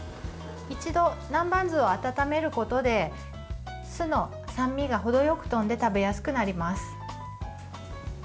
一度、南蛮酢を温めることで酢の酸味が程よくとんで食べやすくなります。